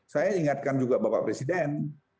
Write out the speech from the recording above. saya ingatkan juga bapak presiden